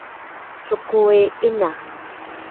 cokoi ’ina